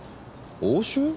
押収？